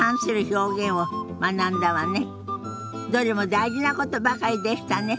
どれも大事なことばかりでしたね。